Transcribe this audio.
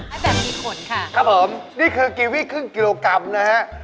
อันนี้คือกีวิทย์ครึ่งกิโลกรัมนะฮะ